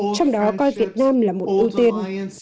trong đó coi việt nam là một ưu tiên